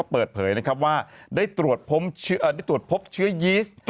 เปิดเผยนะครับว่าได้ตรวจพบเชื้อยีส